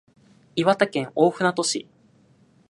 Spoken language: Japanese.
岩手県大船渡市